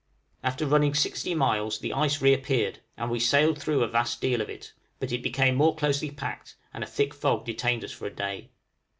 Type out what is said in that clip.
After running 60 miles the ice re appeared, and we sailed through a vast deal of it, but it became more closely packed, and a thick fog detained us for a day.